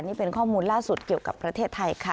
นี่เป็นข้อมูลล่าสุดเกี่ยวกับประเทศไทยค่ะ